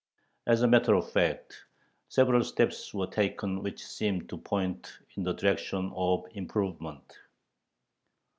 " As a matter of fact, several steps were taken which seemed to point in the direction of improvement.